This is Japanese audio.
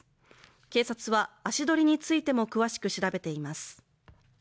警察は、足取りについても詳しく調べています。